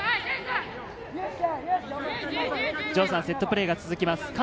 セットプレーが続きます。